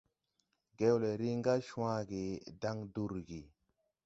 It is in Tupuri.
Gewle riŋ ga cwage dan durgi.